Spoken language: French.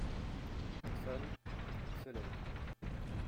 On sonne, il se lève.